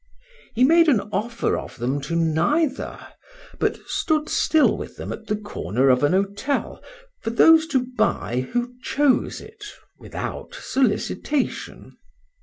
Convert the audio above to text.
He made an offer of them to neither; but stood still with them at the corner of an hotel, for those to buy who chose it without solicitation.